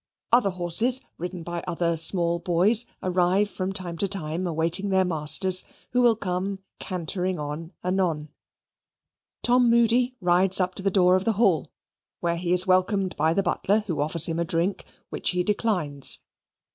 Other horses, ridden by other small boys, arrive from time to time, awaiting their masters, who will come cantering on anon. Tom Moody rides up to the door of the Hall, where he is welcomed by the butler, who offers him drink, which he declines.